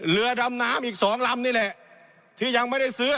เรือดำน้ำอีกสองลำนี่แหละที่ยังไม่ได้ซื้อ